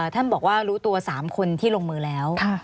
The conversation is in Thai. ท่านบอกว่ารู้ตัว๓คนที่ลงมือแล้ว